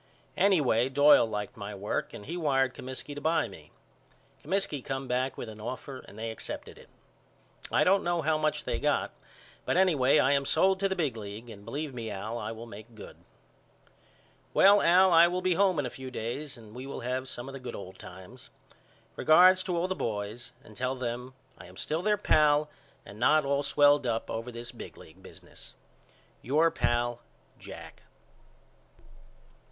Anyway Doyle liked my work and he wired Comiskey to buy me. Comiskey come back with an offer and they excepted it. I don't know how much they got but anyway I am sold to the big league and believe me Al I will make good. Well Al I will be home in a few days and we will have some of the good old times. Regards to all the boys and tell them I am still their pal and not all swelled up over this big league business. Your pal, JACK.